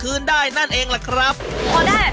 อยู่ในถาดคล้ายแบบ